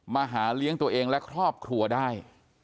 หาเลี้ยงตัวเองและครอบครัวได้